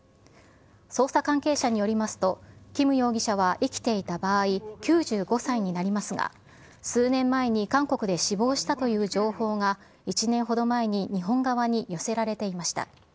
捜査関係者によりますと、キム容疑者は生きていた場合、９５歳になりますが、数年前に韓国で死亡したという情報が、１年ほど前に日本側に寄せられていました。